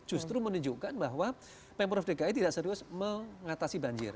justru menunjukkan bahwa pemprov dki tidak serius mengatasi banjir